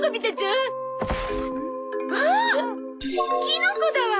キノコだわ。